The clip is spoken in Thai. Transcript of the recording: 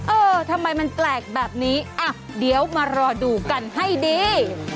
เออทำไมมันแปลกแบบนี้อ่ะเดี๋ยวมารอดูกันให้ดี